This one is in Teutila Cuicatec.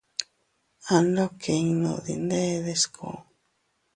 Andokinnun dindede sku.